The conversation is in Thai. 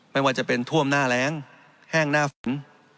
ไม่ว่าจะเป็นท่วมหน้าแรงแห้งหน้าฝน